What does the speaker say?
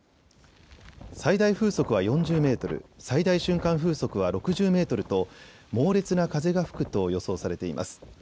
最大風速は４０メートル、最大瞬間風速は６０メートルと猛烈な風が吹くと予想されています。